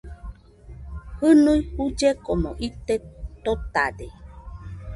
Jɨnui jullekomo ite totade